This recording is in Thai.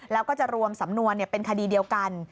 แล้วก็จะรวมสำนวนเป็นคดีเดียวกัน